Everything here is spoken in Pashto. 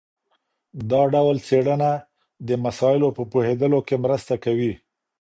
دا ډول څېړنه د مسایلو په پوهېدلو کي مرسته کوي.